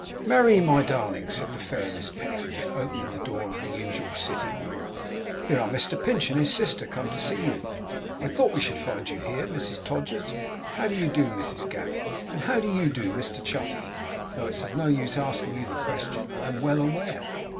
'Merry, my darling!' said the fair Miss Pecksniff, opening the door of the usual sitting room. 'Here are Mr Pinch and his sister come to see you! I thought we should find you here, Mrs Todgers! How do you do, Mrs Gamp? And how do you do, Mr Chuffey, though it's of no use asking you the question, I am well aware.